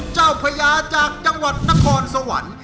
พญาจากจังหวัดนครสวรรค์